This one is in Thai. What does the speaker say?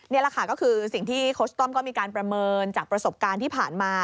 นี่แหละค่ะก็คือสิ่งที่โค้ชต้อมก็มีการประเมินจากประสบการณ์ที่ผ่านมา